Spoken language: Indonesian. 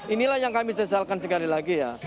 inilah yang kami sesalkan sekali lagi ya